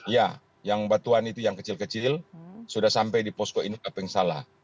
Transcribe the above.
ya yang batuan itu yang kecil kecil sudah sampai di posko ini apa yang salah